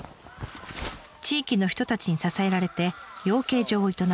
地域の人たちに支えられて養鶏場を営む稲田さん夫婦。